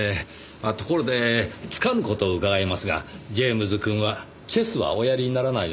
ところでつかぬ事を伺いますがジェームズくんはチェスはおやりにならないのでしょうか？